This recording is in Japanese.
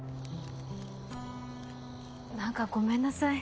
なんかごめんなさい。